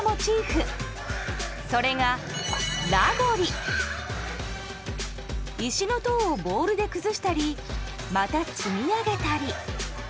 それが石の塔をボールで崩したりまた積み上げたり。